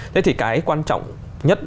thế thì cái quan trọng nhất